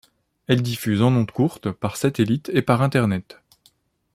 Elle diffuse en ondes courtes, par satellite et par Internet.